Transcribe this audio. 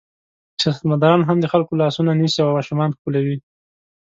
سیاستمداران هم د خلکو لاسونه نیسي او ماشومان ښکلوي.